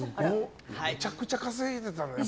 めちゃくちゃ稼いでたんですね。